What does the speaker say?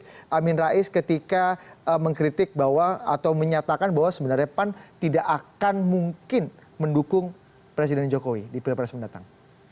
bagaimana amin rais ketika mengkritik bahwa atau menyatakan bahwa sebenarnya pan tidak akan mungkin mendukung presiden jokowi di pilpres mendatang